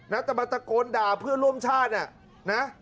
จะมาตะโกนด่าเพื่อนร่วมชาติน่ะนะ